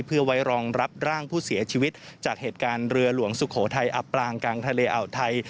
เพื่อไว้รองรับร่างผู้เสียชีวิตจากเหตุการณ์เรือหลวงสุโขทัยอับปรางกลางทะเลอ่าวไทย